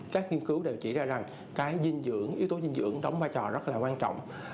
các nghiên cứu đều chỉ ra rằng cái dinh dưỡng yếu tố dinh dưỡng đóng vai trò rất là quan trọng